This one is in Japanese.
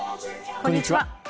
こんにちは。